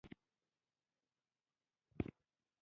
کوم مديران چې خپل کار کوونکي د ايکس ډلې په توګه پېژني.